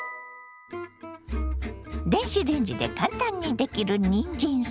電子レンジで簡単にできるにんじんサラダ。